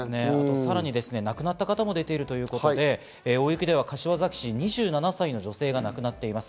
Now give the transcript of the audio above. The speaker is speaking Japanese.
さらに亡くなった方も出ているということで大雪では柏崎市、２７歳の女性が亡くなっています。